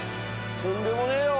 とんでもねぇよ。